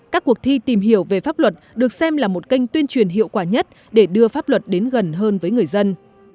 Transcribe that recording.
các cuộc thi tìm hiểu về pháp luật được xem là một kênh tuyên truyền hiệu quả nhất để đưa pháp luật đến gần hơn với người dân